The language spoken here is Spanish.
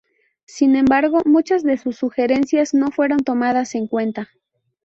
Sin embargo, muchas de sus sugerencias no fueron tomadas en cuenta.